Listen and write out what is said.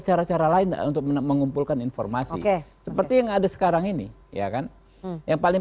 cara cara lain untuk mengumpulkan informasi seperti yang ada sekarang ini ya kan yang paling